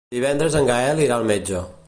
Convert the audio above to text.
Divendres en Gaël irà al metge.